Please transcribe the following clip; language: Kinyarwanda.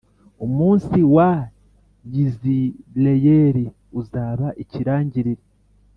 umunsi wa Yizireyeli uzaba ikirangirire.